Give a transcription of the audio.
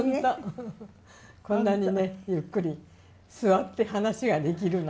こんなにねゆっくり座って話ができるなんて。